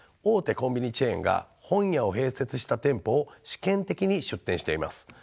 コンビニチェーンが本屋を併設した店舗を試験的に出店しています。